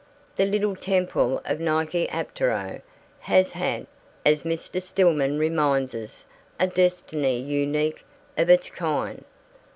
The little temple of Nike Apteros has had, as Mr. Stillman reminds us, a destiny unique of its kind.